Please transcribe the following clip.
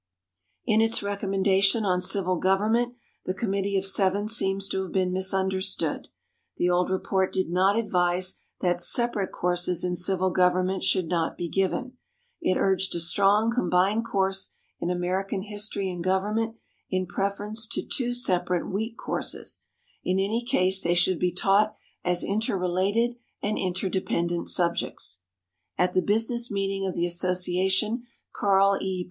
In its recommendation on Civil Government the Committee of Seven seems to have been misunderstood. The old report did not advise that separate courses in civil government should not be given. It urged a strong combined course in American history and government in preference to two separate weak courses. In any case they should be taught as interrelated and interdependent subjects. At the business meeting of the association, Carl E.